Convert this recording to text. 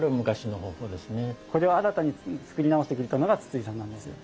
これを新たに作り直してくれたのが筒井さんなんですよ。